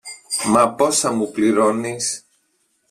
Μα πόσα μου πληρώνεις;